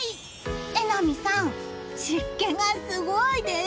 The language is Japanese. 榎並さん、湿気がすごいです。